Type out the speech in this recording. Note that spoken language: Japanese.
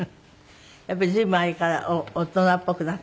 やっぱり随分あれから大人っぽくなったもんね。